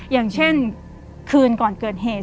อย่างเช่นคืนก่อนเกิดเหตุ